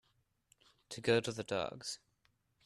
To go to the dogs.